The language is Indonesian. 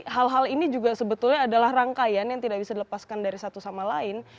hal hal ini juga sebetulnya adalah rangkaian yang tidak bisa dilepaskan dari satu sama lain